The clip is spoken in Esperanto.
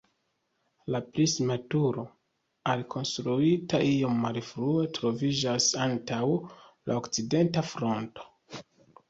La prisma turo, alkonstruita iom malfrue, troviĝas antaŭ la okcidenta fronto.